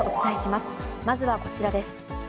まずはこちらです。